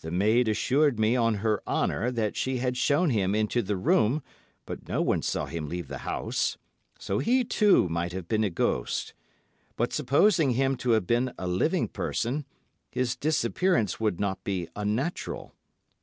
"The maid assured me on her honour that she had shown him into the room, but no one saw him leave the house, so he, too, might have been a ghost; but supposing him to have been a living person, his disappearance would not be unnatural.